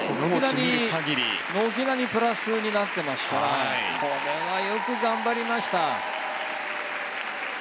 軒並みプラスになってますからこれはよく頑張りました。